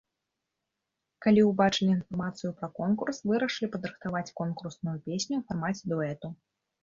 Калі ўбачылі інфармацыю пра конкурс, вырашылі падрыхтаваць конкурсную песню ў фармаце дуэту.